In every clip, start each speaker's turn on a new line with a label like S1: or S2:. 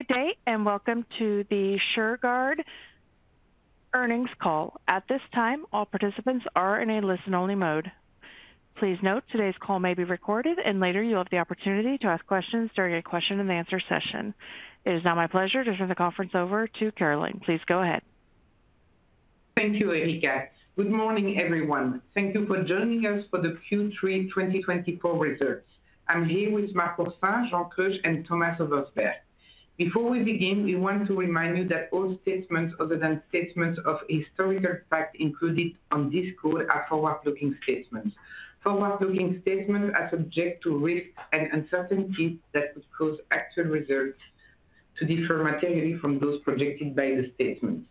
S1: Good day and welcome to the Shurgard earnings call. At this time, all participants are in a listen-only mode. Please note today's call may be recorded, and later you'll have the opportunity to ask questions during a question-and-answer session. It is now my pleasure to turn the conference over to Caroline. Please go ahead.
S2: Thank you, Ineke. Good morning, everyone. Thank you for joining us for the Q3 2024 results. I'm here with Marc Oursin, Jean Kreusch, and Thomas Oversberg. Before we begin, we want to remind you that all statements, other than statements of historical fact, included on this call are forward-looking statements. Forward-looking statements are subject to risks and uncertainties that could cause actual results to differ materially from those projected by the statements.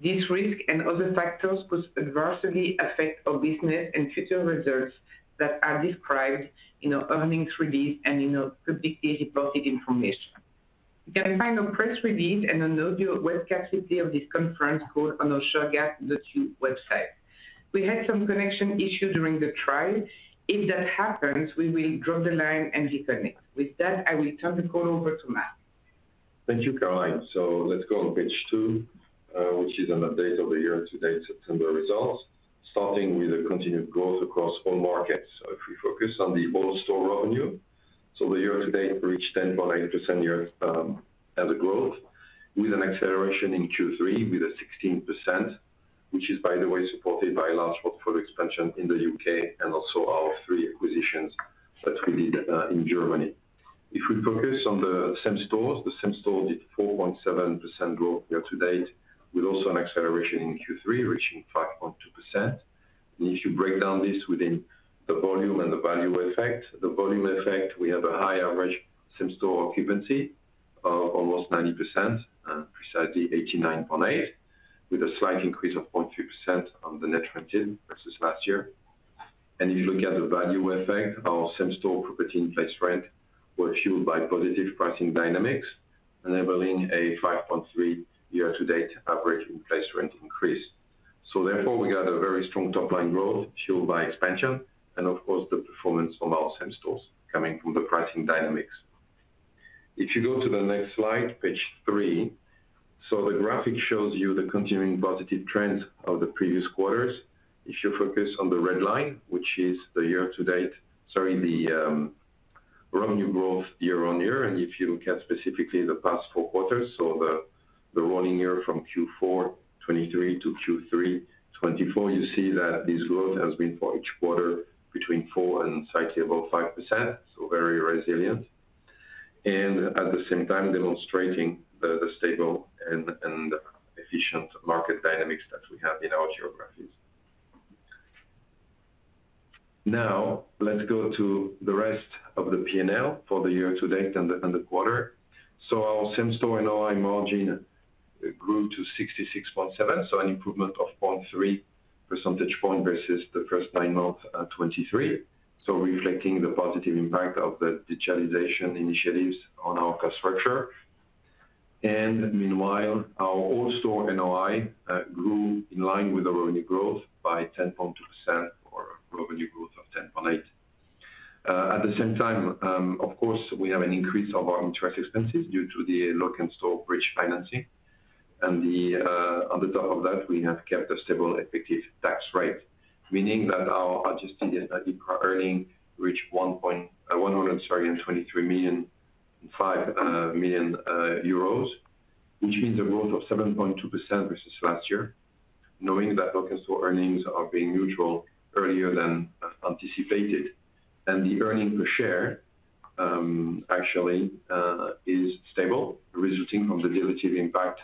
S2: These risks and other factors could adversely affect our business and future results that are described in our earnings release and in our publicly reported information. You can find our press release and audio webcast details of this conference call on our Shurgard.eu website. We had some connection issues during the trial. If that happens, we will drop the line and reconnect. With that, I will turn the call over to Marc.
S3: Thank you, Caroline. So let's go on page two, which is an update of the year-to-date September results, starting with the continued growth across all markets. So if we focus on the whole store revenue, so the year-to-date reached 10.8% year-to-year as a growth, with an acceleration in Q3, with a 16%, which is, by the way, supported by a large portfolio expansion in the U.K. and also our three acquisitions that we did in Germany. If we focus on the same stores, the same stores did 4.7% growth year-to-date, with also an acceleration in Q3 reaching 5.2%. And if you break down this within the volume and the value effect, the volume effect, we have a high average same-store occupancy of almost 90%, precisely 89.8%, with a slight increase of 0.3% on the net rented versus last year. And if you look at the value effect, our same-store property in place rent were fueled by positive pricing dynamics, enabling a 5.3% year-to-date average in place rent increase. So therefore, we got a very strong top-line growth fueled by expansion and, of course, the performance of our same-store stores coming from the pricing dynamics. If you go to the next slide, page three, so the graphic shows you the continuing positive trends of the previous quarters. If you focus on the red line, which is the year-to-date, sorry, the revenue growth year-on-year, and if you look at specifically the past four quarters, so the rolling year from Q4 2023 to Q3 2024, you see that this growth has been for each quarter between 4% and slightly above 5%, so very resilient, and at the same time demonstrating the stable and efficient market dynamics that we have in our geographies. Now, let's go to the rest of the P&L for the year-to-date and the quarter. Our same-store NOI margin grew to 66.7%, so an improvement of 0.3 percentage points versus the first nine months of 2023, so reflecting the positive impact of the digitalization initiatives on our infrastructure. Meanwhile, our total store NOI grew in line with our revenue growth by 10.2% or a revenue growth of 10.8%. At the same time, of course, we have an increase of our interest expenses due to the Lok'nStore bridge financing. On top of that, we have kept a stable effective tax rate, meaning that our adjusted earnings reached 102.3 million, which means a growth of 7.2% versus last year, knowing that Lok'nStore earnings are being neutral earlier than anticipated. The earnings per share actually is stable, resulting from the dilutive impact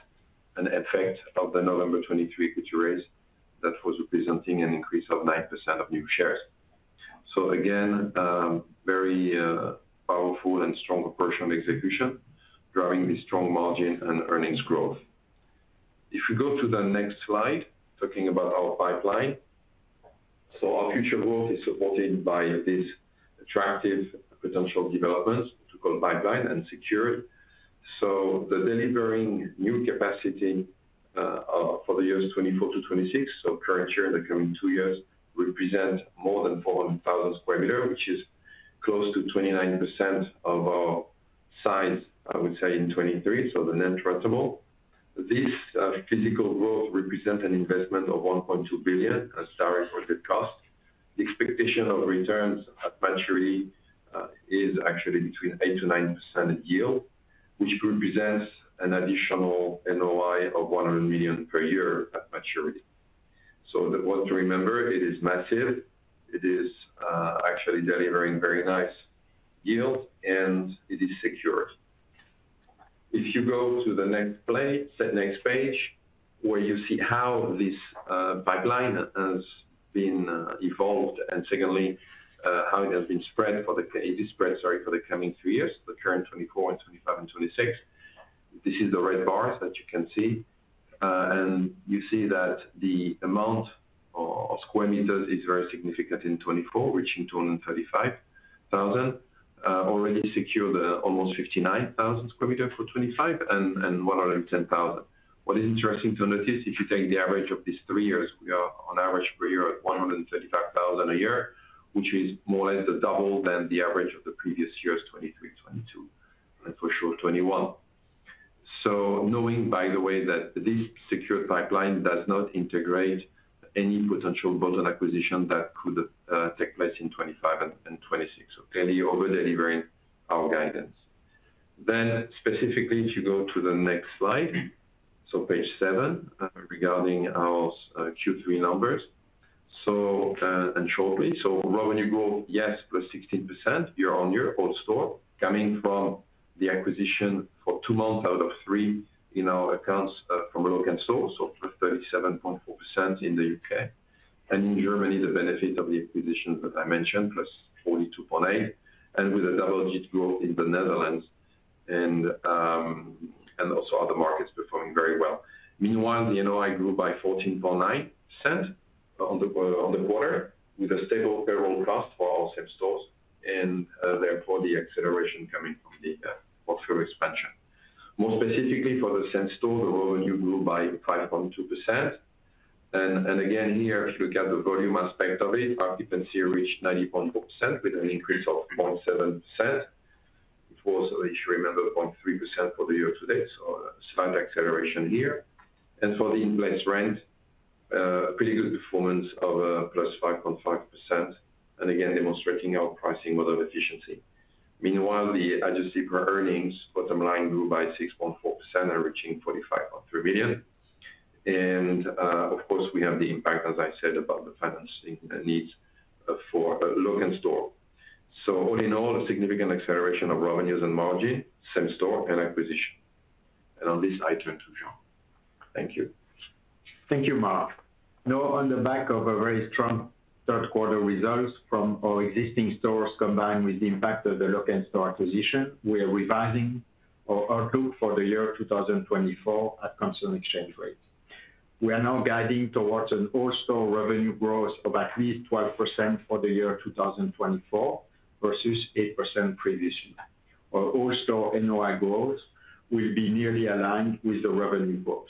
S3: and effect of the November 2023 equity raise that was representing an increase of 9% of new shares. Again, very powerful and strong operational execution driving the strong margin and earnings growth. If we go to the next slide, talking about our pipeline, so our future growth is supported by this attractive potential development so-called pipeline and secured. So the delivering new capacity for the years 2024 to 2026, so current year and the coming two years represent more than 400,000 square meters, which is close to 29% of our size, I would say, in 2023, so the net rentable. This physical growth represents an investment of 1.2 billion as direct or debt cost. The expectation of returns at maturity is actually between 8%-9% yield, which represents an additional NOI of 100 million per year at maturity. So the one to remember, it is massive. It is actually delivering very nice yields, and it is secured. If you go to the next slide, next page, where you see how this pipeline has been evolved and secondly, how it has been spread for the, it is spread, sorry, for the coming three years, the current 2024 and 2025 and 2026. This is the red bars that you can see, and you see that the amount of square meters is very significant in 2024, reaching 235,000 square meters, already secured almost 59,000 square meters for 2025 and 110,000. What is interesting to notice, if you take the average of these three years, we are on average per year at 135,000 a year, which is more or less the double than the average of the previous years, 2023, 2022, and for sure 2021, so knowing, by the way, that this secured pipeline does not integrate any potential bolt-on acquisition that could take place in 2025 and 2026, so clearly over-delivering our guidance. Then, specifically, if you go to the next slide, so page seven regarding our Q3 numbers, so and shortly, so revenue growth, yes, +16% year-on-year whole store coming from the acquisition for two months out of three in our accounts from Lok'nStore, so +37.4% in the U.K. And in Germany, the benefit of the acquisitions that I mentioned, +42.8%, and with a double-digit growth in the Netherlands and also other markets performing very well. Meanwhile, the NOI grew by 14.9% on the quarter with a stable payroll cost for our same-store, and therefore the acceleration coming from the portfolio expansion. More specifically, for the same-store, the revenue grew by 5.2%. And again, here, if you look at the volume aspect of it, occupancy reached 90.4% with an increase of 0.7%. It was, if you remember, 0.3% for the year-to-date, so a slight acceleration here. For the in-place rent, pretty good performance of +5.5%, and again, demonstrating our pricing model efficiency. Meanwhile, the adjusted earnings bottom line grew by 6.4% and reaching 45.3 million. Of course, we have the impact, as I said, about the financing needs for Lok'nStore. All in all, a significant acceleration of revenues and margin, same-store, and acquisition. On this, I turn to Jean. Thank you.
S4: Thank you, Marc. Now, on the back of a very strong third-quarter results from our existing stores combined with the impact of the Lok'nStore acquisition, we are revising our outlook for the year 2024 at constant exchange rates. We are now guiding towards an all-store revenue growth of at least 12% for the year 2024 versus 8% previously. Our all-store NOI growth will be nearly aligned with the revenue growth.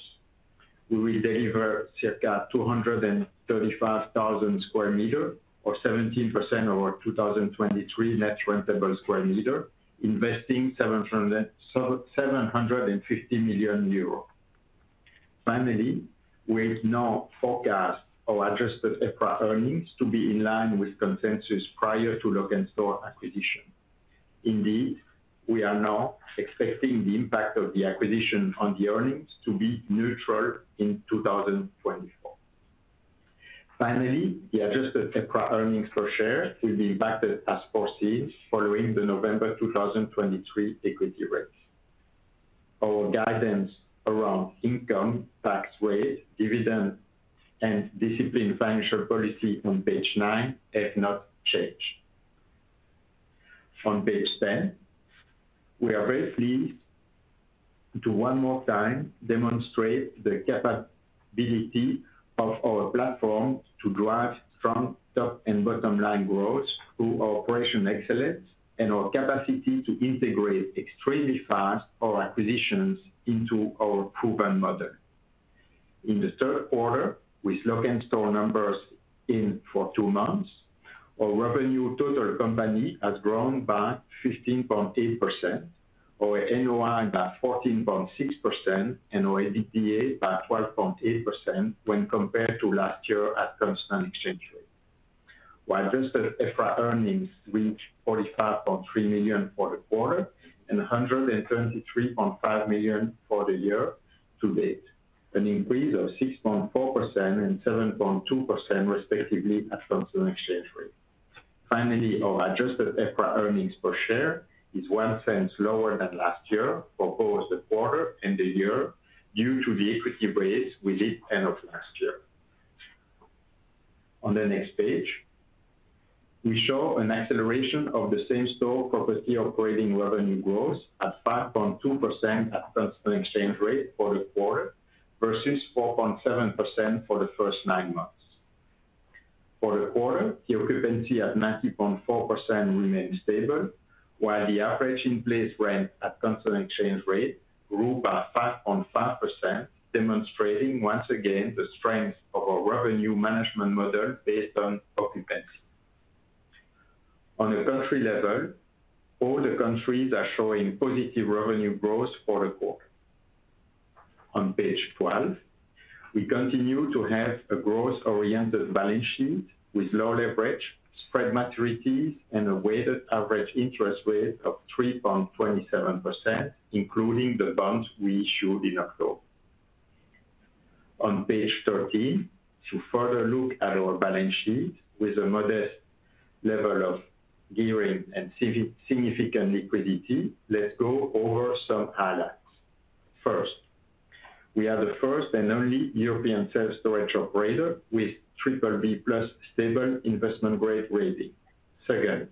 S4: We will deliver circa 235,000 square meters, or 17% of our 2023 net rentable square meter, investing 750 million euros. Finally, we now forecast our adjusted earnings to be in line with consensus prior to Lok'nStore acquisition. Indeed, we are now expecting the impact of the acquisition on the earnings to be neutral in 2024. Finally, the adjusted earnings per share will be impacted as foreseen following the November 2023 equity raise. Our guidance around income, tax rate, dividend, and disciplined financial policy on page nine has not changed. On page ten, we are very pleased to one more time demonstrate the capability of our platform to drive strong top and bottom line growth through our operational excellence and our capacity to integrate extremely fast our acquisitions into our proven model. In the third quarter, with Lok'nStore numbers in for two months, our revenue total company has grown by 15.8%, our NOI by 14.6%, and our EBITDA by 12.8% when compared to last year at constant exchange rate. Our adjusted earnings reached 45.3 million for the quarter and 123.5 million for the year-to-date, an increase of 6.4% and 7.2% respectively at consumer exchange rate. Finally, our adjusted earnings per share is one cent lower than last year for both the quarter and the year due to the equity raise we did end of last year. On the next page, we show an acceleration of the same-store property operating revenue growth at 5.2% at consumer exchange rate for the quarter versus 4.7% for the first nine months. For the quarter, the occupancy at 90.4% remained stable, while the average in place rent at consumer exchange rate grew by 5.5%, demonstrating once again the strength of our revenue management model based on occupancy. On a country level, all the countries are showing positive revenue growth for the quarter. On page 12, we continue to have a growth-oriented balance sheet with low leverage, spread maturities, and a weighted average interest rate of 3.27%, including the bonds we issued in October. On page 13, to further look at our balance sheet with a modest level of gearing and significant liquidity, let's go over some highlights. First, we are the first and only European self-storage operator with BBB plus stable investment grade rating. Second,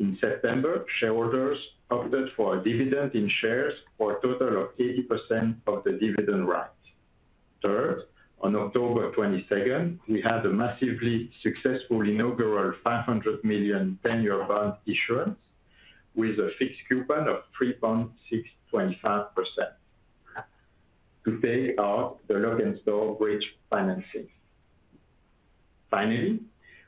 S4: in September, shareholders opted for a dividend in shares for a total of 80% of the dividend rights. Third, on October 22nd, we had a massively successful inaugural 500 million 10-year bond issuance with a fixed coupon of 3.625% to pay out the Lok'nStore bridge financing. Finally,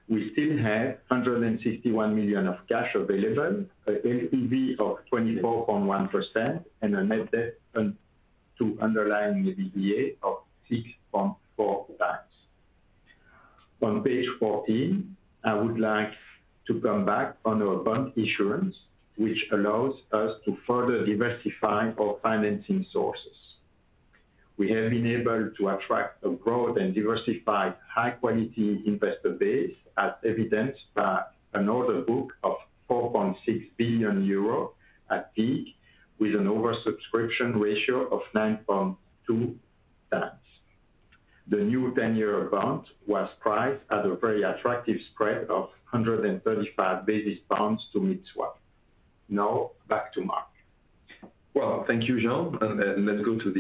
S4: we still have 161 million of cash available, an LTV of 24.1%, and a net debt to underlying EBITDA of 6.4x. On page 14, I would like to come back on our bond issuance, which allows us to further diversify our financing sources. We have been able to attract a broad and diversified high-quality investor base as evidenced by an order book of 4.6 billion euro at peak with an oversubscription ratio of 9.2x. The new 10-year bond was priced at a very attractive spread of 135 basis points to mid swap. Now, back to Marc.
S3: Thank you, Jean. Let's go to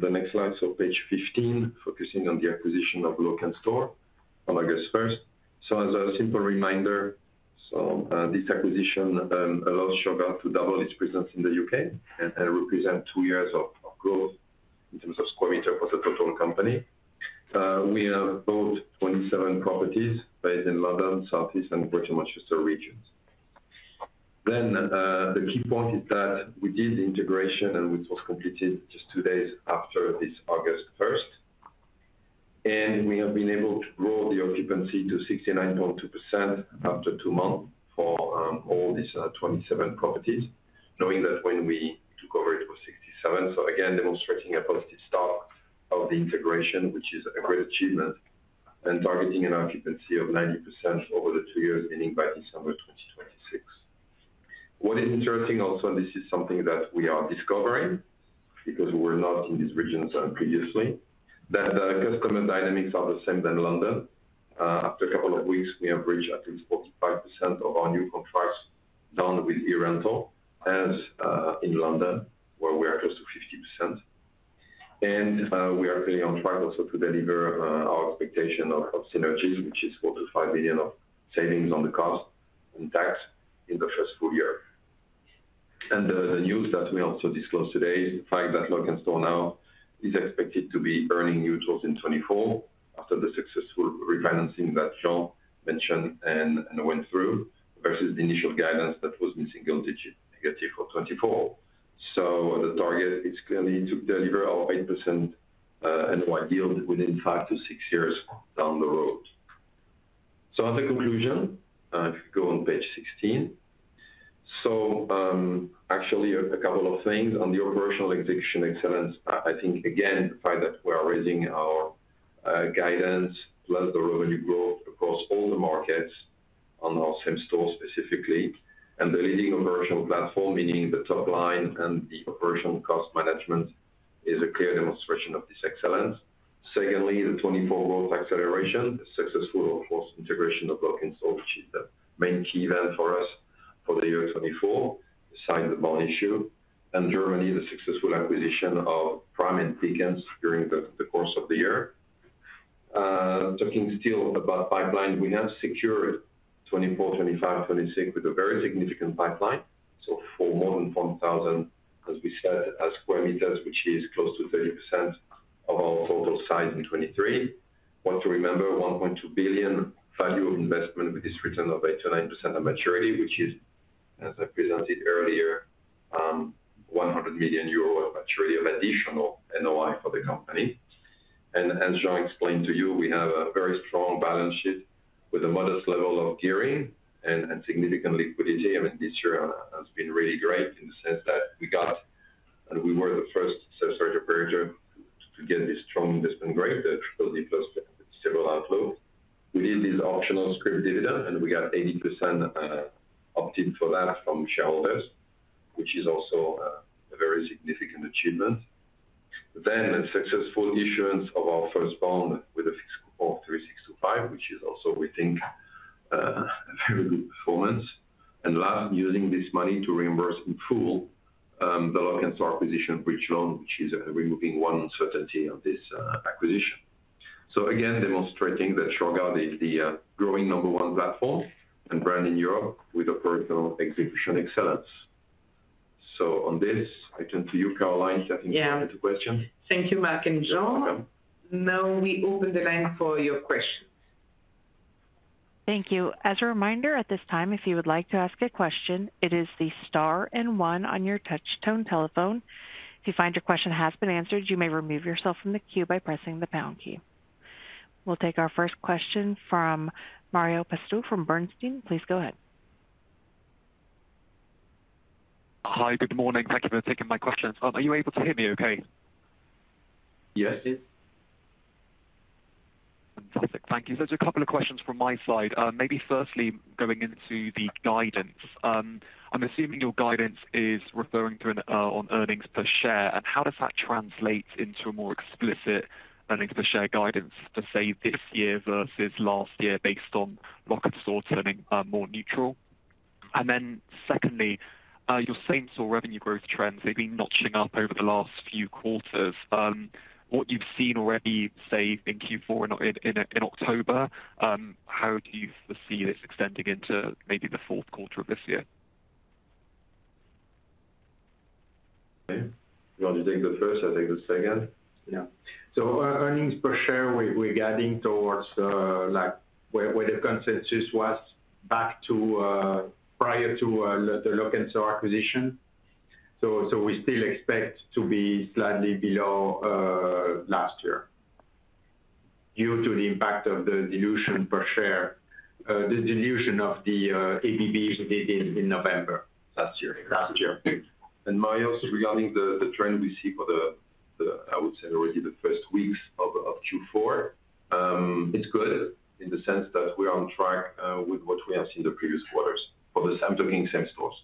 S3: the next slide. Page 15, focusing on the acquisition of Lok'nStore on August 1st. As a simple reminder, so this acquisition allows Shurgard to double its presence in the U.K. and represent two years of growth in terms of square meter for the total company. We have bought 27 properties based in London, Southeast England, and Greater Manchester regions. The key point is that we did the integration and it was completed just two days after this August 1st. We have been able to grow the occupancy to 69.2% after two months for all these 27 properties, knowing that when we took over, it was 67%. Again, demonstrating a positive start to the integration, which is a great achievement and targeting an occupancy of 90% over the two years ending by December 2026. What is interesting also, and this is something that we are discovering because we were not in these regions previously, that the customer dynamics are the same than London. After a couple of weeks, we have reached at least 45% of our new contracts done with eRental as in London, where we are close to 50%. And we are clearly on track also to deliver our expectation of synergies, which is 4 million-5 million of savings on the cost and tax in the first full year. And the news that we also disclosed today is the fact that Lok'nStore now is expected to be earnings neutral in 2024 after the successful refinancing that Jean mentioned and went through versus the initial guidance that was mid-single-digit negative for 2024. So the target is clearly to deliver our 8% annual yield within five to six years down the road. As a conclusion, if we go on page 16, so actually a couple of things on the operational execution excellence, I think again, the fact that we are raising our guidance plus the revenue growth across all the markets on our same-store stores specifically, and the leading operational platform, meaning the top line and the operational cost management is a clear demonstration of this excellence. Secondly, the 2024 growth acceleration, the successful, of course, integration of Lok'nStore, which is the main key event for us for the year 2024, besides the bond issue, and Germany, the successful acquisition of Prime and Pickens during the course of the year. Talking still about pipeline, we have secured 2024, 2025, 2026 with a very significant pipeline. So for more than 100,000, as we said, square meters, which is close to 30% of our total size in 2023. What to remember: 1.2 billion value of investment with this return of 8%-9% at maturity, which is, as I presented earlier, 100 million euro at maturity of additional NOI for the company. As Jean explained to you, we have a very strong balance sheet with a modest level of gearing and significant liquidity. I mean, this year has been really great in the sense that we got, and we were the first self-storage operator to get this strong investment grade, the BBB plus stable outlook. We did this optional scrip dividend, and we got 80% opt-in for that from shareholders, which is also a very significant achievement. We had a successful issuance of our first bond with a fixed coupon of 3.625%, which is also, we think, a very good performance. Last, using this money to reimburse in full the Lok'nStore acquisition bridge loan, which is removing one uncertainty on this acquisition. Again, demonstrating that Shurgard is the growing number one platform and brand in Europe with operational execution excellence. On this, I turn to you, Caroline, if you have any questions.
S2: Yeah. Thank you, Marc and Jean.
S3: You're welcome.
S2: Now we open the line for your questions.
S1: Thank you. As a reminder, at this time, if you would like to ask a question, it is the star and one on your touch tone telephone. If you find your question has been answered, you may remove yourself from the queue by pressing the pound key. We'll take our first question from Marios Pastou from Bernstein. Please go ahead.
S5: Hi, good morning. Thank you for taking my questions. Are you able to hear me okay?
S3: Yes, yes.
S5: Fantastic. Thank you. So there's a couple of questions from my side. Maybe firstly, going into the guidance, I'm assuming your guidance is referring to adjusted earnings per share. And how does that translate into a more explicit earnings per share guidance for, say, this year versus last year based on Lok'nStore turning more neutral? And then secondly, your same-store revenue growth trends, they've been notching up over the last few quarters. What you've seen already, say, in Q4 in October, how do you foresee this extending into maybe the fourth quarter of this year?
S3: Okay. You want to take the first? I'll take the second.
S4: Yeah. So, our earnings per share, we're guiding towards where the consensus was, back to prior to the Lok'nStore acquisition. So, we still expect to be slightly below last year due to the impact of the dilution per share, the dilution of the ABBs we did in November last year.
S3: Last year. And Mario, regarding the trend we see for the, I would say, already the first weeks of Q4, it's good in the sense that we're on track with what we have seen in the previous quarters for the same token, same stores.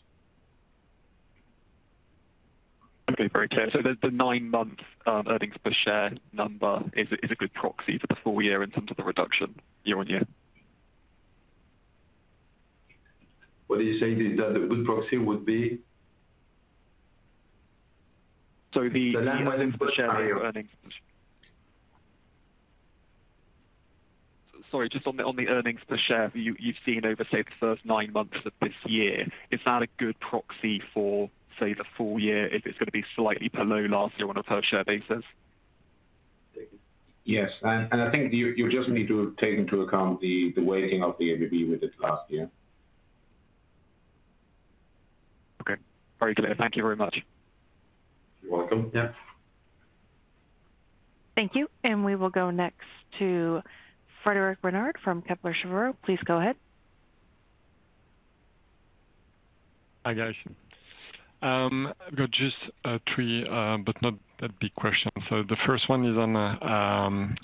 S5: Okay. Very clear. So the nine-month earnings per share number is a good proxy for the full year in terms of the reduction year-on-year?
S3: What do you say that the good proxy would be?
S5: So the line earnings per share. Sorry, just on the earnings per share you've seen over, say, the first nine months of this year, is that a good proxy for, say, the full year if it's going to be slightly below last year on a per share basis?
S3: Yes, and I think you just need to take into account the weighting of the ABB we did last year.
S5: Okay. Very clear. Thank you very much.
S3: You're welcome. Yeah.
S1: Thank you, and we will go next to Frédéric Renard from Kepler Cheuvreux. Please go ahead.
S6: Hi, guys. I've got just three, but not that big questions. So the first one is on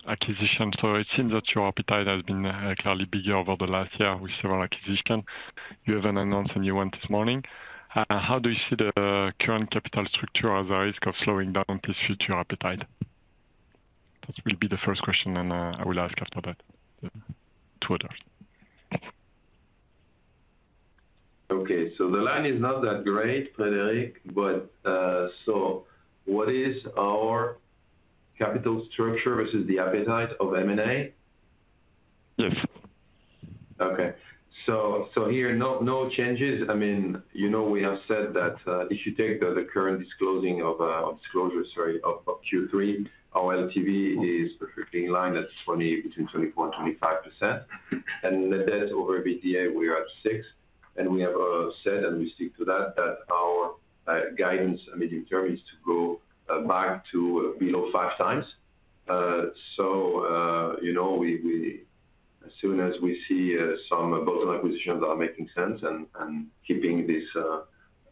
S6: acquisition. So it seems that your appetite has been clearly bigger over the last year with several acquisitions. You have an announcement you want this morning. How do you see the current capital structure as a risk of slowing down this future appetite? That will be the first question, and I will ask after that to others.
S3: The line is not that great, Frédéric, but what is our capital structure versus the appetite of M&A?
S6: Yes.
S3: Okay. So here, no changes. I mean, we have said that if you take the current disclosure of Q3, our LTV is perfectly in line. That's between 24% and 25%. And net debt to EBITDA, we are at six. And we have said, and we stick to that, that our guidance in the near term is to go back to below 5x. So as soon as we see some bolt-on acquisitions that are making sense and keeping these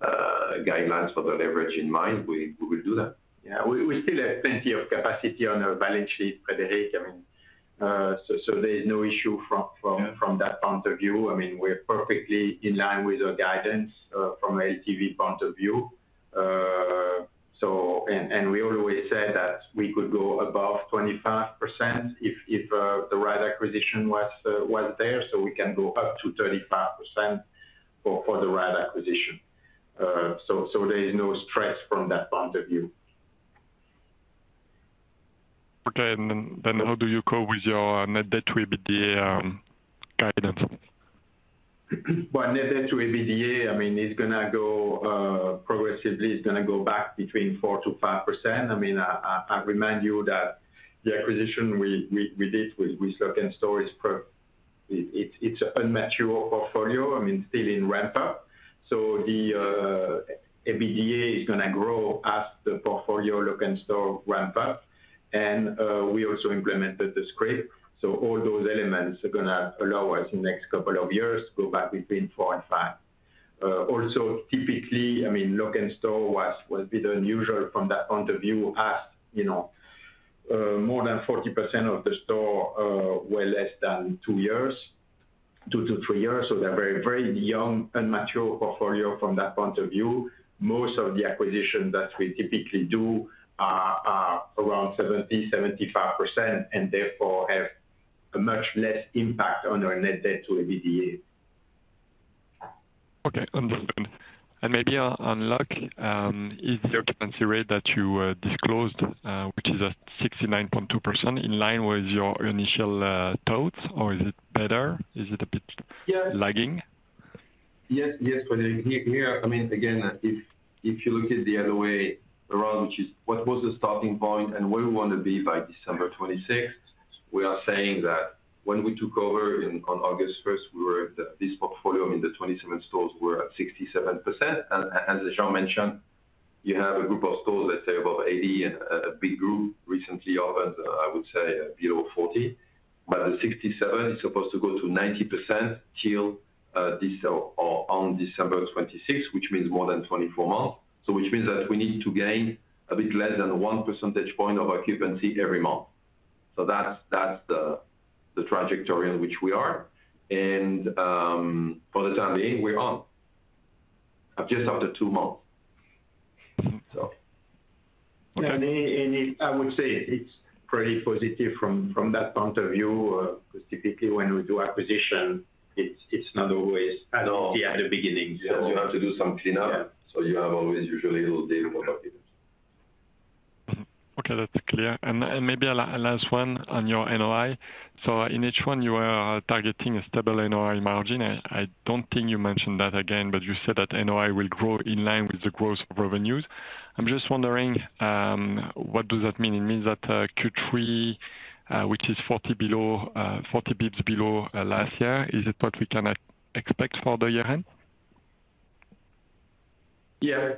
S3: guidelines for the leverage in mind, we will do that.
S4: Yeah. We still have plenty of capacity on our balance sheet, Frederic. I mean, so there is no issue from that point of view. I mean, we're perfectly in line with our guidance from an LTV point of view. And we always said that we could go above 25% if the right acquisition was there. So we can go up to 35% for the right acquisition. So there is no stress from that point of view.
S6: Okay. And then how do you go with your net debt to EBITDA guidance?
S4: Net debt to EBITDA, I mean, it's going to go progressively. It's going to go back between 4 to 5. I mean, I remind you that the acquisition we did with Lok'nStore is it's an immature portfolio. I mean, still in ramp-up. So the EBITDA is going to grow as the portfolio Lok'nStore ramp-up, and we also implemented the scrip. So all those elements are going to allow us in the next couple of years to go back between four and five. Also, typically, I mean, Lok'nStore was a bit unusual from that point of view as more than 40% of the stores were less than two years, two to three years. They're a very, very young, immature portfolio from that point of view. Most of the acquisitions that we typically do are around 70%-75%, and therefore have a much less impact on our net debt to EBITDA.
S6: Okay. Understood. And maybe on Lok'nStore, is the occupancy rate that you disclosed, which is at 69.2%, in line with your initial thoughts, or is it better? Is it a bit lagging?
S3: Yes. Yes, Frederic. Here, I mean, again, if you look at the other way around, which is what was the starting point and where we want to be by December 26th, we are saying that when we took over on August 1st, we were at this portfolio in the 27 stores were at 67%. And as Jean mentioned, you have a group of stores, let's say, above 80, a big group recently opened, I would say, below 40. But the 67 is supposed to go to 90% till on December 26th, which means more than 24 months. So which means that we need to gain a bit less than one percentage point of occupancy every month. So that's the trajectory in which we are. And for the time being, we're on just after two months. So.
S4: Yeah, and I would say it's pretty positive from that point of view because typically when we do acquisition, it's not always at all.
S3: At the beginning. Yeah. You have to do some cleanup. So you have always usually a little daily work.
S6: Okay. That's clear. And maybe a last one on your NOI. So in each one, you are targeting a stable NOI margin. I don't think you mentioned that again, but you said that NOI will grow in line with the growth of revenues. I'm just wondering, what does that mean? It means that Q3, which is 40 basis points below last year, is it what we can expect for the year end?
S4: Yeah.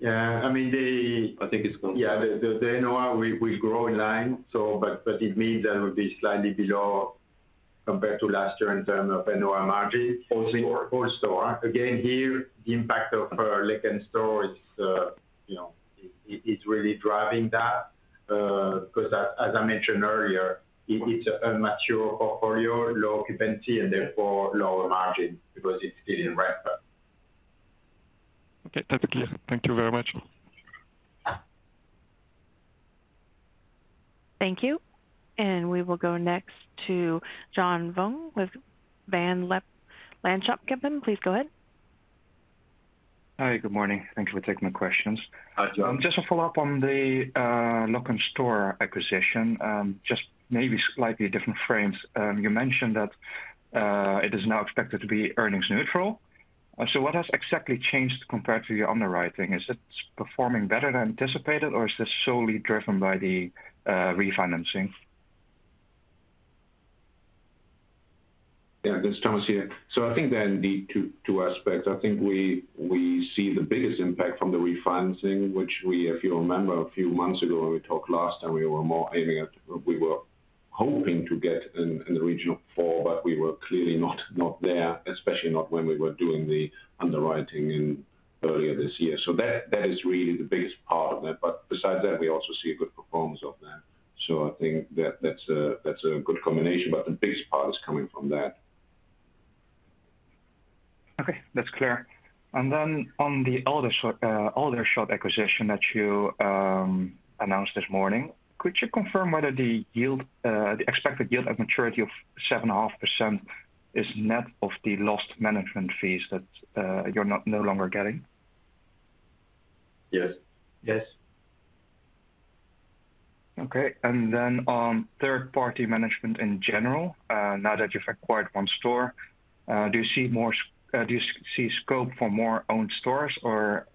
S4: Yeah.
S3: I think it's going to.
S4: Yeah. The NOI will grow in line. But it means that it will be slightly below compared to last year in terms of NOI margin.
S3: Whole store.
S4: Whole store. Again, here, the impact of Lok'nStore is really driving that because, as I mentioned earlier, it's a mature portfolio, low occupancy, and therefore lower margin because it's still in ramp-up.
S6: Okay. That's clear. Thank you very much.
S1: Thank you. And we will go next to John Vuong with Van Lanschot Kempen. Please go ahead.
S7: Hi. Good morning. Thank you for taking my questions.
S3: Hi, John.
S7: Just a follow-up on the Lok'nStore acquisition, just maybe slightly different frames. You mentioned that it is now expected to be earnings neutral. So what has exactly changed compared to your underwriting? Is it performing better than anticipated, or is this solely driven by the refinancing?
S8: Yeah. This is Thomas here. So I think there are indeed two aspects. I think we see the biggest impact from the refinancing, which we, if you remember, a few months ago, when we talked last time, we were aiming at we were hoping to get in the region of four, but we were clearly not there, especially not when we were doing the underwriting earlier this year. So that is really the biggest part of that. But besides that, we also see a good performance of that. So I think that's a good combination, but the biggest part is coming from that.
S7: Okay. That's clear, and then on the other store acquisition that you announced this morning, could you confirm whether the expected yield at maturity of 7.5% is net of the lost management fees that you're no longer getting?
S8: Yes.
S3: Yes.
S7: Okay. Then on third-party management in general, now that you've acquired one store, do you see more scope for more owned stores? Or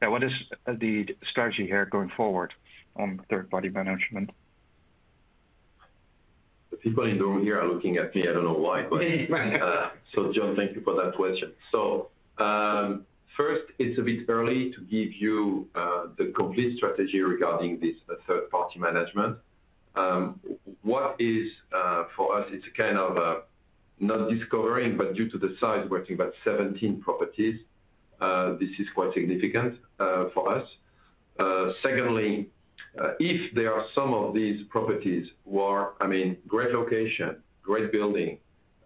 S7: what is the strategy here going forward on third-party management?
S8: The people in the room here are looking at me. I don't know why, but. So John, thank you for that question. So first, it's a bit early to give you the complete strategy regarding this third-party management. What is for us, it's a kind of not discovering, but due to the size, we're talking about 17 properties. This is quite significant for us. Secondly, if there are some of these properties who are, I mean, great location, great building,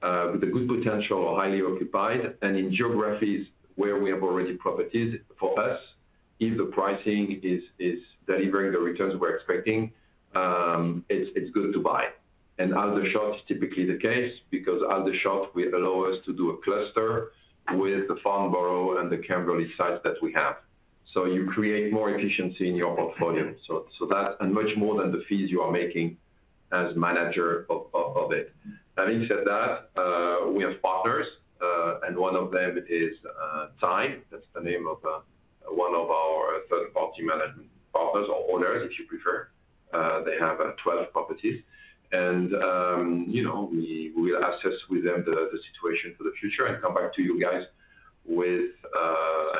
S8: with a good potential or highly occupied, and in geographies where we have already properties, for us, if the pricing is delivering the returns we're expecting, it's good to buy. And one of those shops is typically the case because one of those shops, we allow us to do a cluster with the Farnborough and the Cambridge sites that we have. So you create more efficiency in your portfolio. So that's much more than the fees you are making as manager of it. Having said that, we have partners, and one of them is Tyne. That's the name of one of our third-party management partners or owners, if you prefer. They have 12 properties. And we will assess with them the situation for the future and come back to you guys with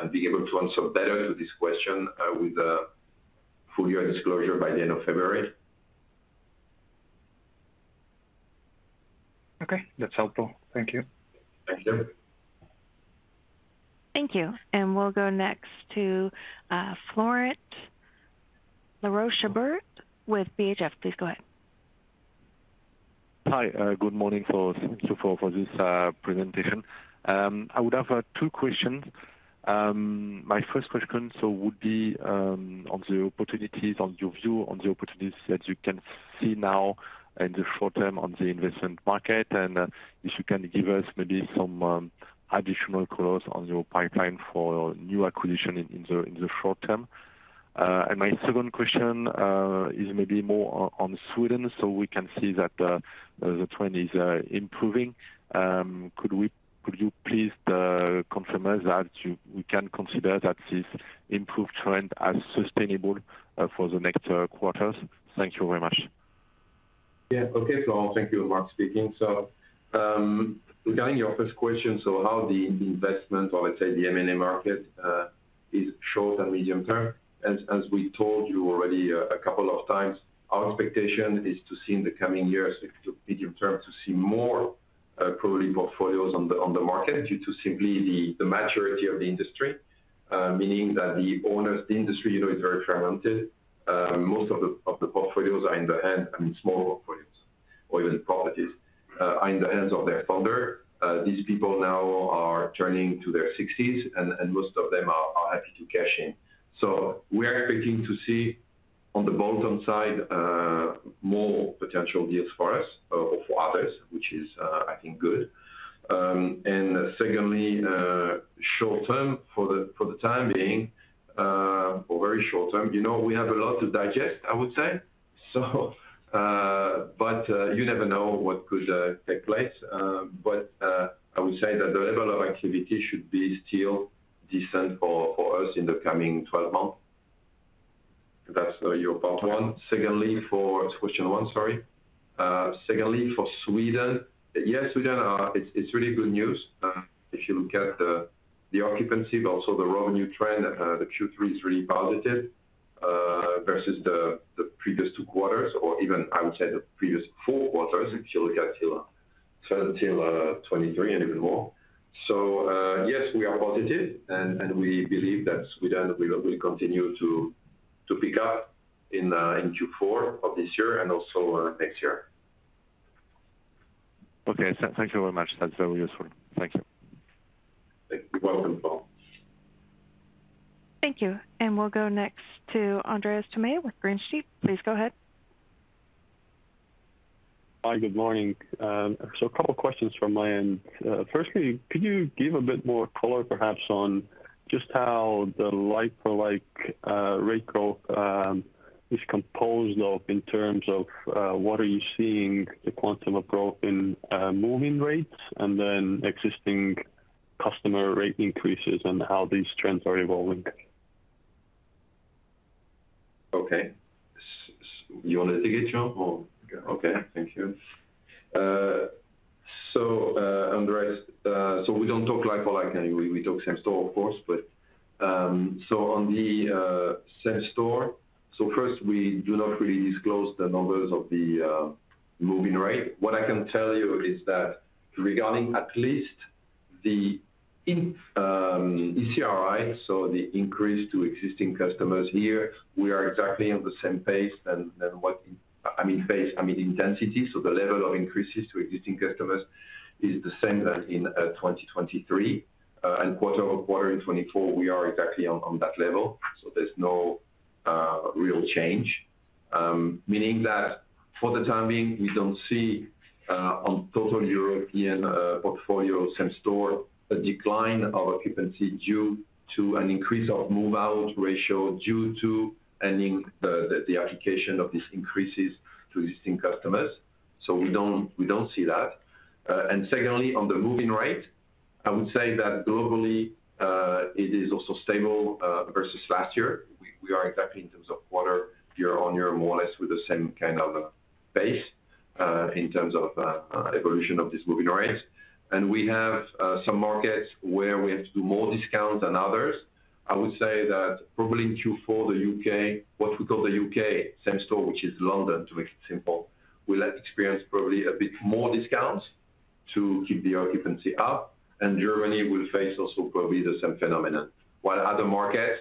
S8: and be able to answer better to this question with a full year disclosure by the end of February.
S7: Okay. That's helpful. Thank you.
S8: Thank you.
S1: Thank you. And we'll go next to Florent Laroche-Joubert with BHF. Please go ahead.
S9: Hi. Good morning for this presentation. I would have two questions. My first question would be on the opportunities, on your view on the opportunities that you can see now in the short term on the investment market, and if you can give us maybe some additional colors on your pipeline for new acquisition in the short term. And my second question is maybe more on Sweden. So we can see that the trend is improving. Could you please confirm us that we can consider that this improved trend as sustainable for the next quarters? Thank you very much.
S3: Yeah. Okay. So thank you, Marc speaking. So regarding your first question, so how the investment, or let's say the M&A market, is short and medium term. As we told you already a couple of times, our expectation is to see in the coming years, medium term, to see more early portfolios on the market due to simply the maturity of the industry, meaning that the owners, the industry is very fragmented. Most of the portfolios are in the hand, I mean, small portfolios or even properties are in the hands of their founder. These people now are turning to their 60s, and most of them are happy to cash in. So we are expecting to see on the bottom side more potential deals for us or for others, which is, I think, good. And secondly, short term for the time being, or very short term, we have a lot to digest, I would say. But you never know what could take place. But I would say that the level of activity should be still decent for us in the coming 12 months. That's your part one. Secondly, for its question one, sorry. Secondly, for Sweden, yes, Sweden, it's really good news. If you look at the occupancy, but also the revenue trend, the Q3 is really positive versus the previous two quarters, or even, I would say, the previous four quarters, if you look at till 2023 and even more. So yes, we are positive, and we believe that Sweden will continue to pick up in Q4 of this year and also next year.
S9: Okay. Thank you very much. That's very useful. Thank you.
S3: You're welcome, Flo.
S1: Thank you. And we'll go next to Andreas Thomae with Green Street. Please go ahead.
S10: Hi. Good morning. So a couple of questions from my end. Firstly, could you give a bit more color, perhaps, on just how the like-for-like rate growth is composed of in terms of what are you seeing the quantum of growth in moving rates and then existing customer rate increases and how these trends are evolving?
S3: Okay. You wanted to get, Jean, or?
S4: Okay. Thank you. So, Andreas, so we don't talk like-for-like. We talk same store, of course. So on the same store, so first, we do not really disclose the numbers of the moving rate. What I can tell you is that regarding at least the ECRI, so the increase to existing customers here, we are exactly on the same pace than what I mean, intensity. So the level of increases to existing customers is the same as in 2023. And quarter over quarter in 2024, we are exactly on that level. So there's no real change. Meaning that for the time being, we don't see on total European portfolio of same store a decline of occupancy due to an increase of move-out ratio due to ending the application of these increases to existing customers. So we don't see that. Secondly, on the moving rate, I would say that globally, it is also stable versus last year. We are exactly in terms of quarter year-on-year, more or less with the same kind of pace in terms of evolution of these moving rates. And we have some markets where we have to do more discounts than others. I would say that probably in Q4, the U.K., what we call the U.K. same store, which is London, to make it simple, will experience probably a bit more discounts to keep the occupancy up. And Germany will face also probably the same phenomenon. While other markets,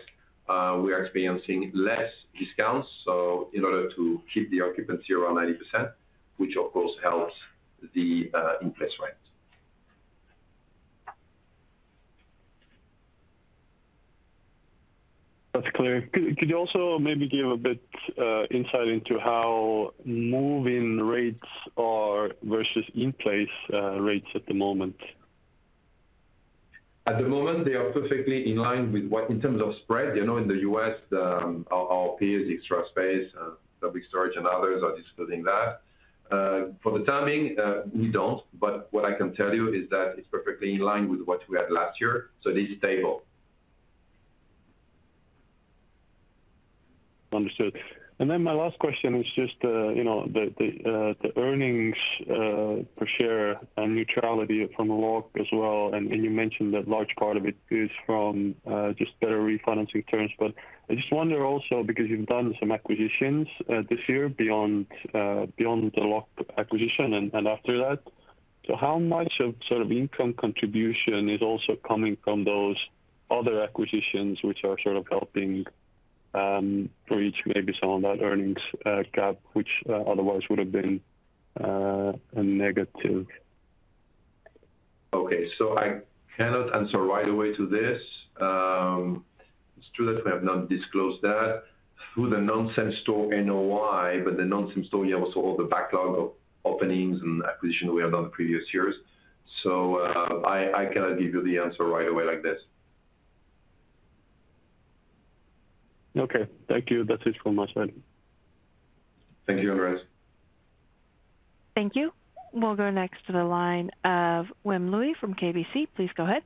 S4: we are experiencing less discounts. So in order to keep the occupancy around 90%, which of course helps the in place rate.
S10: That's clear. Could you also maybe give a bit of insight into how moving rates are versus in place rates at the moment?
S4: At the moment, they are perfectly in line with what in terms of spread. In the U.S., our peers, Extra Space, Public Storage, and others are disclosing that. For the timing, we don't. But what I can tell you is that it's perfectly in line with what we had last year. So it is stable.
S10: Understood. And then my last question is just the earnings per share and neutrality from Lok'nStore as well. And you mentioned that large part of it is from just better refinancing terms. But I just wonder also because you've done some acquisitions this year beyond the Lok'nStore acquisition and after that. So how much of sort of income contribution is also coming from those other acquisitions which are sort of helping bridge maybe some of that earnings gap, which otherwise would have been negative?
S4: Okay. So I cannot answer right away to this. It's true that we have not disclosed that through the non-same store NOI, but the non-same store, you have also all the backlog of openings and acquisitions we have done the previous years. So I cannot give you the answer right away like this.
S10: Okay. Thank you. That's it from my side.
S4: Thank you, Andreas.
S1: Thank you. We'll go next to the line of Wim Lewi from KBC. Please go ahead.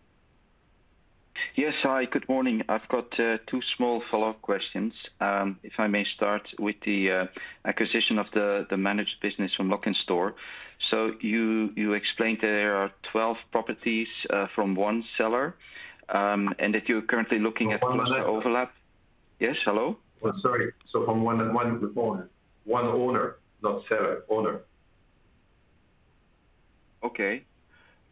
S11: Yes. Hi. Good morning. I've got two small follow-up questions, if I may start, with the acquisition of the managed business from Lok'nStore. So you explained there are 12 properties from one seller and that you're currently looking at cluster overlap. Yes? Hello?
S3: Sorry. So from one owner, not seller, owner.
S11: Okay.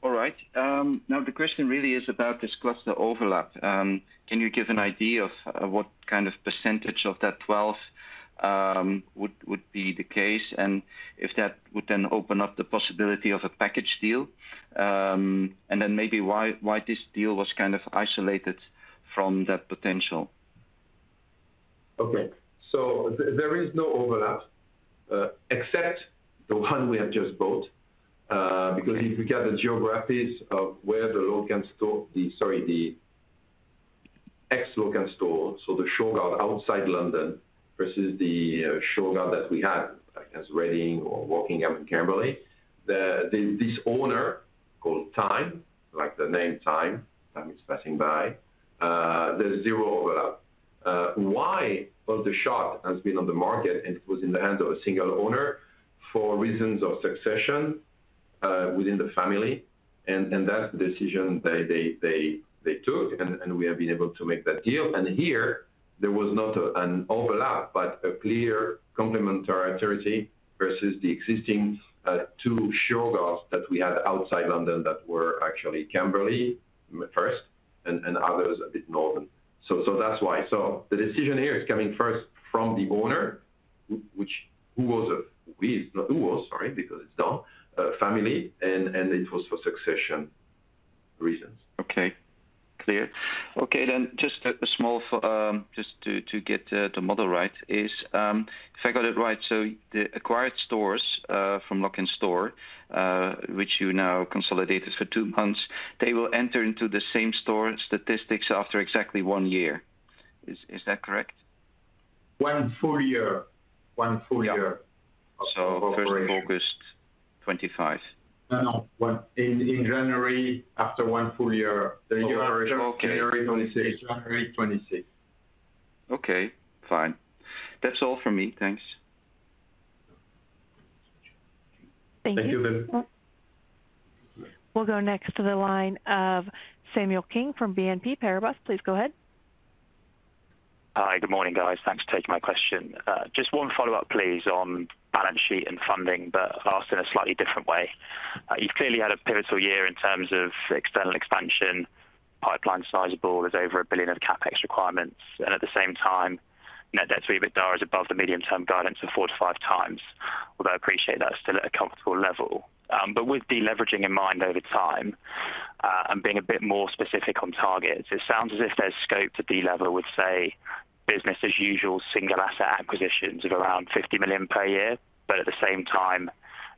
S11: All right. Now, the question really is about this cluster overlap. Can you give an idea of what kind of percentage of that 12 would be the case and if that would then open up the possibility of a package deal, and then maybe why this deal was kind of isolated from that potential?
S3: Okay, so there is no overlap except the one we have just bought because if we get the geographies of where the Lok'nStore, sorry, the ex-Lok'nStore, so the Shurgard outside London versus the Shurgard that we had as Reading or Wokingham and Cambridge, this owner called Tyne, like the name Tyne, Tyne is passing by, there's zero overlap. Why? Well, the stock has been on the market and it was in the hands of a single owner for reasons of succession within the family. And that's the decision they took, and we have been able to make that deal. And here, there was not an overlap, but a clear complementary geography versus the existing two Shurgards that we had outside London that were actually Cambridge side first and others a bit northern. That's why. So the decision here is coming first from the owner, who was a family. Sorry, because it's a family, and it was for succession reasons.
S11: Then just a small to get the model right is, if I got it right, so the acquired stores from Lok'nStore, which you now consolidated for two months, they will enter into the same-store statistics after exactly one year. Is that correct?
S3: One full year. One full year.
S11: First August 2025.
S3: No, no. In January, after one full year. The year is January 2026.
S11: Okay. Fine. That's all from me. Thanks.
S1: Thank you.
S3: Thank you, Wim.
S1: We'll go next to the line of Samuel King from BNP Paribas. Please go ahead.
S12: Hi. Good morning, guys. Thanks for taking my question. Just one follow-up, please, on balance sheet and funding, but asked in a slightly different way. You've clearly had a pivotal year in terms of external expansion, pipeline sizable, there's over 1 billion of CapEx requirements, and at the same time, net debt to EBITDA is above the medium-term guidance of 4x-5x. Although I appreciate that's still at a comfortable level. But with deleveraging in mind over time and being a bit more specific on targets, it sounds as if there's scope to delever with, say, business-as-usual single asset acquisitions of around 50 million per year, but at the same time,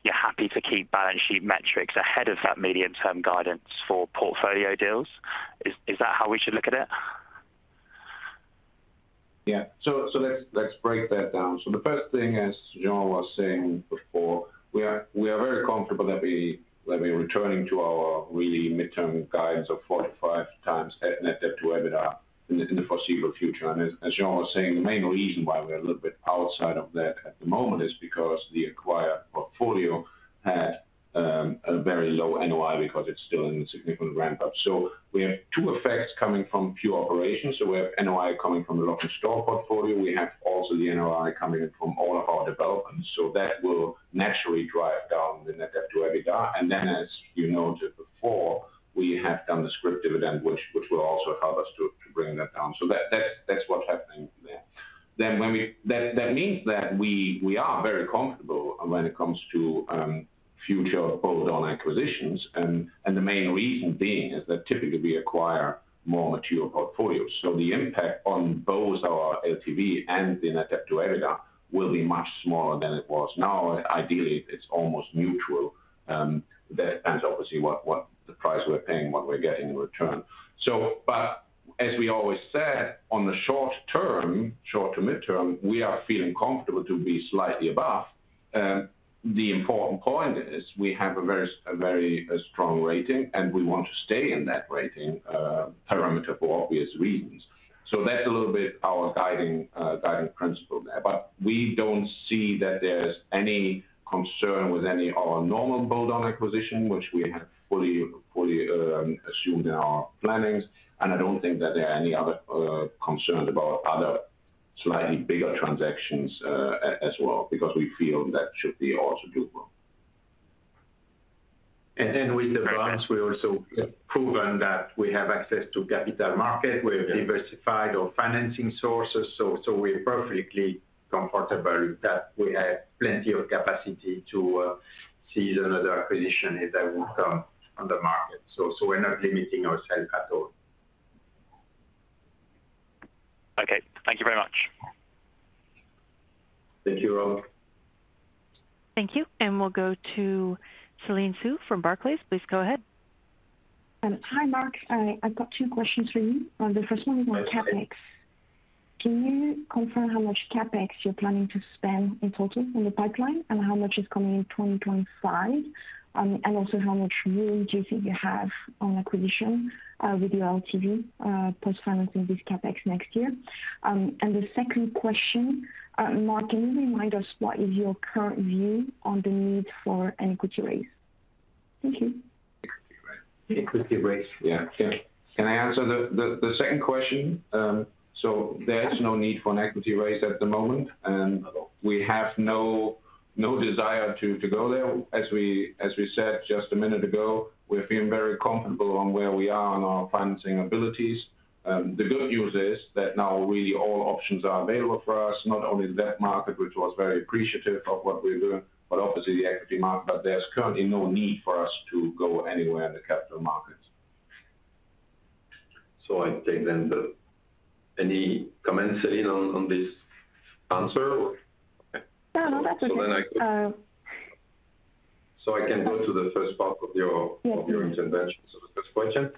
S12: you're happy to keep balance sheet metrics ahead of that medium-term guidance for portfolio deals. Is that how we should look at it?
S3: Yeah. So let's break that down. So the first thing, as John was saying before, we are very comfortable that we are returning to our really midterm guidance of 4x-5x net debt to EBITDA in the foreseeable future. And as John was saying, the main reason why we are a little bit outside of that at the moment is because the acquired portfolio had a very low NOI because it's still in a significant ramp-up. So we have two effects coming from pure operations. So we have NOI coming from the Lok'nStore portfolio. We have also the NOI coming in from all of our developments. So that will naturally drive down the net debt to EBITDA. And then, as you noted before, we have done the scrip dividend, which will also help us to bring that down. So that's what's happening there. That means that we are very comfortable when it comes to future bolt-on acquisitions. And the main reason being is that typically we acquire more mature portfolios. So the impact on both our LTV and the net debt to EBITDA will be much smaller than it was. Now, ideally, it's almost neutral. That depends, obviously, on what the price we're paying, what we're getting in return. But as we always said, on the short term, short to midterm, we are feeling comfortable to be slightly above. The important point is we have a very strong rating, and we want to stay in that rating parameter for obvious reasons. So that's a little bit our guiding principle there. But we don't see that there's any concern with any of our normal bolt-on acquisition, which we have fully assumed in our plannings. And I don't think that there are any other concerns about other slightly bigger transactions as well because we feel that should be also doable. And with the brands, we also have proven that we have access to capital market. We have diversified our financing sources. So we're perfectly comfortable that we have plenty of capacity to seize another acquisition if that will come on the market. So we're not limiting ourselves at all.
S12: Okay. Thank you very much.
S3: Thank you, Sam.
S1: Thank you. And we'll go to Céline Soo from Barclays. Please go ahead.
S13: Hi, Marc. I've got two questions for you. The first one is on CapEx. Can you confirm how much CapEx you're planning to spend in total on the pipeline and how much is coming in 2025? And also, how much room do you think you have on acquisition with your LTV post-financing this CapEx next year? And the second question, Marc, can you remind us what is your current view on the need for an equity raise? Thank you.
S3: Equity raise. Yeah. Can I answer the second question? So there is no need for an equity raise at the moment. And we have no desire to go there. As we said just a minute ago, we're feeling very comfortable on where we are on our financing abilities. The good news is that now really all options are available for us, not only that market, which was very appreciative of what we're doing, but obviously the equity market. But there's currently no need for us to go anywhere in the capital markets. So I take then any comments, Céline, on this answer?
S13: No, no. That's okay.
S3: I can go to the first part of your intervention. The first question.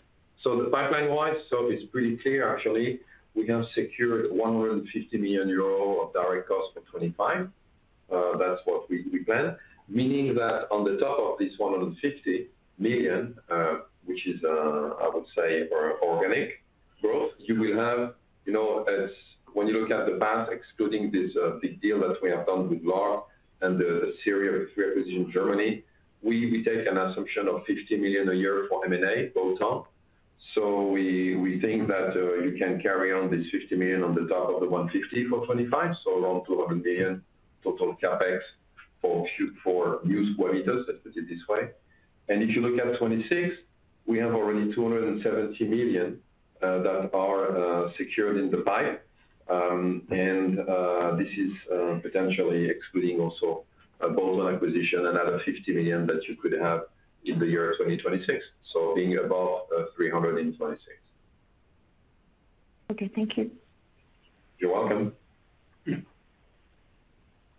S3: The pipeline-wise, it's pretty clear, actually. We have secured 150 million euro of direct cost for 2025. That's what we planned. Meaning that on the top of this 150 million, which is, I would say, organic growth, you will have when you look at the past, excluding this big deal that we have done with Lok'nStore and the series of three acquisitions in Germany, we take an assumption of 50 million a year for M&A bolt-on. We think that you can carry on this 50 million on the top of the 150 for 2025. Around 200 million total CapEx for new square meters, let's put it this way. If you look at 2026, we have already 270 million that are secured in the pipe. And this is potentially excluding also a bolt-on acquisition and another 50 million that you could have in the year 2026. So being above 300 in 2026.
S13: Okay. Thank you.
S3: You're welcome.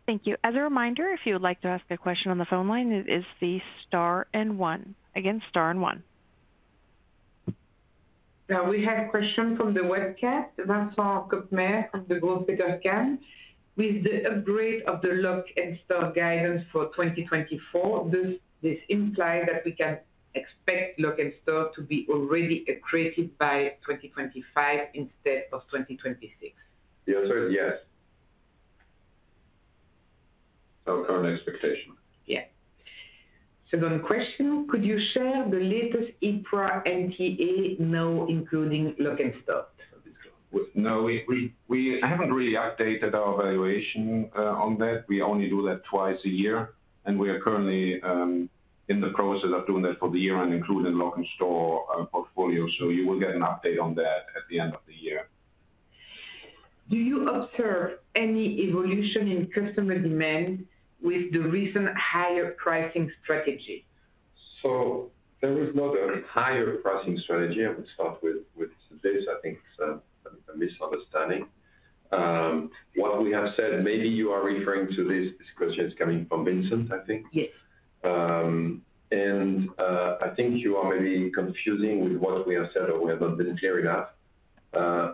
S1: Thank you. As a reminder, if you would like to ask a question on the phone line, it is the star and one. Again, star and one.
S2: Now, we have a question from the webcast. Vincent Kuppens from Degroof Petercam. With the upgrade of the Lok'nStore guidance for 2024, does this imply that we can expect Lok'nStore to be already accretive by 2025 instead of 2026?
S3: The answer is yes. Our current expectation.
S2: Yeah. Second question. Could you share the latest EPRA NTA now, including Lok'nStore?
S3: No, we haven't really updated our evaluation on that. We only do that twice a year, and we are currently in the process of doing that for the year and including Lok'nStore portfolio, so you will get an update on that at the end of the year.
S2: Do you observe any evolution in customer demand with the recent higher pricing strategy?
S3: So there is not a higher pricing strategy. I will start with this. I think it's a misunderstanding. What we have said, maybe you are referring to this question, is coming from Vincent, I think.
S2: Yes.
S3: I think you are maybe confusing with what we have said or we have not been clear enough,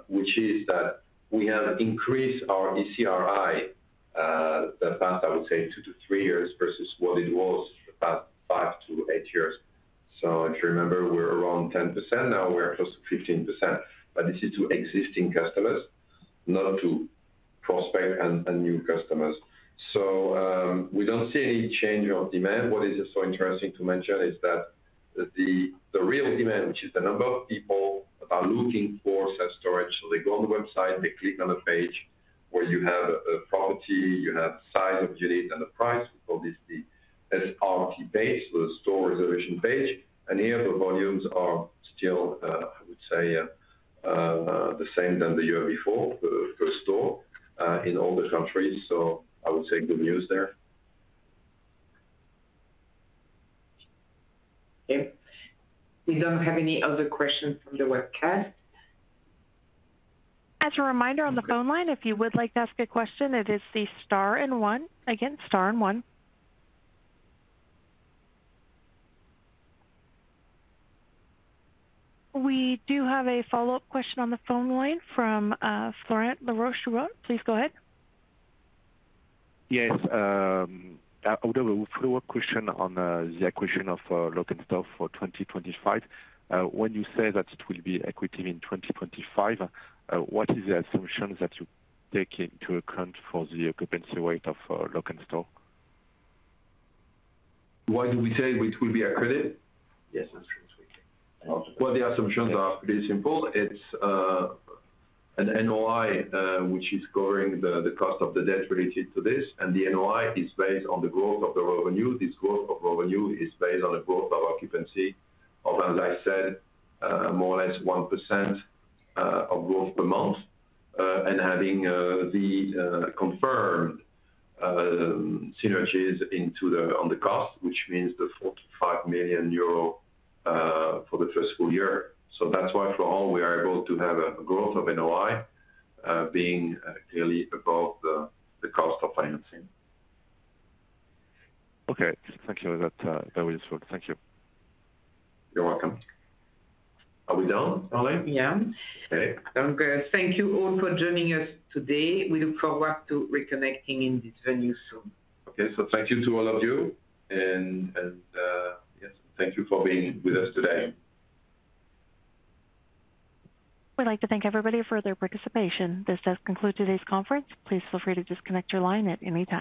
S3: which is that we have increased our ECRI the past, I would say, two to three years versus what it was the past five to eight years. If you remember, we're around 10%. Now we're close to 15%. This is to existing customers, not to prospective and new customers. We don't see any change of demand. What is also interesting to mention is that the real demand, which is the number of people that are looking for self-storage. They go on the website, they click on the page where you have a property, you have size of unit, and the price. We call this the SRP page, so the store reservation page. Here, the volumes are still, I would say, the same than the year before, the first store in all the countries. So I would say good news there.
S2: Okay. We don't have any other questions from the webcast.
S1: As a reminder on the phone line, if you would like to ask a question, it is the star and one. Again, star and one. We do have a follow-up question on the phone line from Florent Laroche-Joubert. Please go ahead.
S9: Yes. I would have a follow-up question on the acquisition of Lok'nStore for 2025. When you say that it will be accretive in 2025, what is the assumption that you take into account for the occupancy rate of Lok'nStore?
S3: Why do we say it will be accretive? Yes, absolutely. The assumptions are pretty simple. It's an NOI, which is covering the cost of the debt related to this. And the NOI is based on the growth of the revenue. This growth of revenue is based on the growth of occupancy, of, as I said, more or less 1% of growth per month, and having the confirmed synergies on the cost, which means the 45 million euro for the first full year. That's why, for all, we are able to have a growth of NOI being clearly above the cost of financing.
S9: Okay. Thank you. That was useful. Thank you.
S3: You're welcome. Are we done, Caroline?
S2: We are.
S3: Okay.
S2: Sounds good. Thank you all for joining us today. We look forward to reconnecting in this venue soon.
S3: Okay. So thank you to all of you. And yes, thank you for being with us today.
S1: We'd like to thank everybody for their participation. This does conclude today's conference. Please feel free to disconnect your line at any time.